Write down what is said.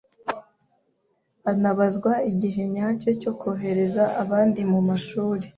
Anabazwa igihe nyacyo cyo kohereza abandi mu mashuri